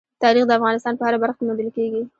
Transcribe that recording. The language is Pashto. تاریخ د افغانستان په هره برخه کې موندل کېږي.